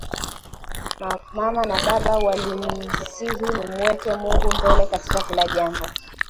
Mama na baba walinisihi nimweke Mungu mbele katika kila jambo